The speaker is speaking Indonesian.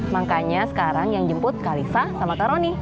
makanya sekarang yang jemput kalisa sama kak roni